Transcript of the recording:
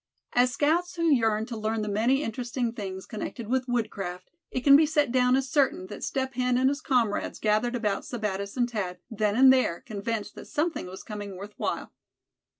As scouts who yearned to learn the many interesting things connected with woodcraft, it can be set down as certain that Step Hen and his comrades gathered about Sebattis and Thad, then and there, convinced that something was coming worth while.